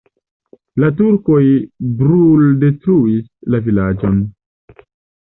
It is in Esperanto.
La turkoj bruldetruis la vilaĝon.